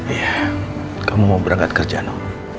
iya kamu mau berangkat kerja no